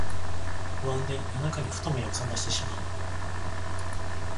不安で夜中にふと目をさましてしまう